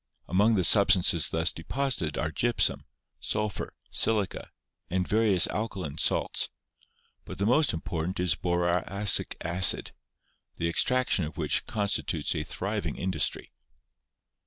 Among the substances thus deposited are gypsum, sulphur, silica, and various alkaline salts; but the most important is boracic acid, the extraction of which constitutes a thriving industry.